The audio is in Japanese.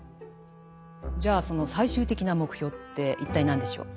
じゃあその最終的な目標って一体何でしょう？